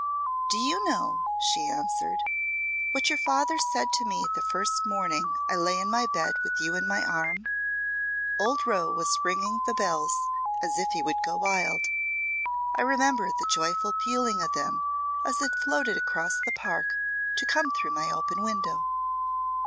"Do you know," she answered, "what your father said to me the first morning I lay in my bed with you in my arm old Rowe was ringing the bells as if he would go wild. I remember the joyful pealing of them as it floated across the park to come through my open window.